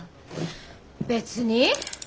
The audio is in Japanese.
別に。